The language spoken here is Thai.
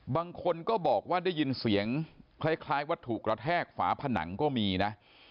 บางคนก็บอกว่าได้ยินเสียงคล้ายวัตถุกระแทกฝาผนังก็มีนะ